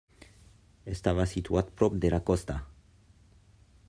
Estava situat prop de la costa.